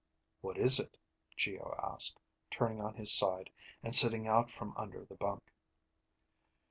"What is it?" Geo asked, turning on his side and sitting out from under the bunk.